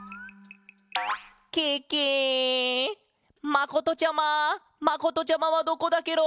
まことちゃままことちゃまはどこだケロ？